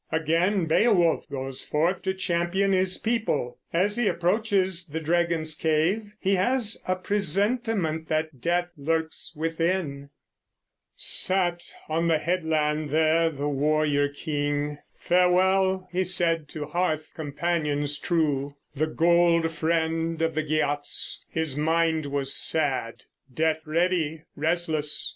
Again Beowulf goes forth to champion his people. As he approaches the dragon's cave, he has a presentiment that death lurks within: Sat on the headland there the warrior king; Farewell he said to hearth companions true, The gold friend of the Geats; his mind was sad, Death ready, restless.